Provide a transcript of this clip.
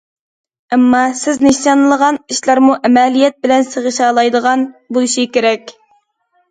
ئەمما، سىز نىشانلىغان ئىشلارمۇ ئەمەلىيەت بىلەن سىغىشالايدىغان بولۇشى كېرەك.